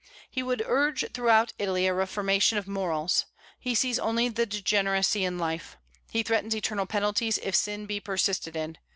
He would urge throughout Italy a reformation of morals. He sees only the degeneracy in life; he threatens eternal penalties if sin be persisted in.